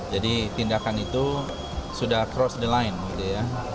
jadi tindakan itu sudah cross the line